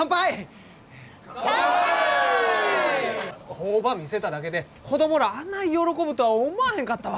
工場見せただけで子供らあない喜ぶとは思わへんかったわ。